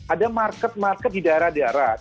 ada market market di daerah daerah